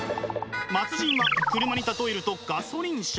末人は車に例えるとガソリン車。